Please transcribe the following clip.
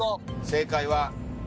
正解は。